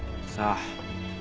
さあ。